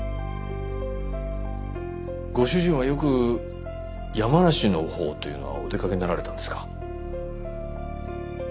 ご主人はよく山梨のほうというのはお出かけになられたんですか？